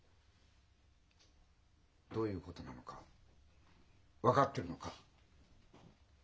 どういうことなのか分かってるのか？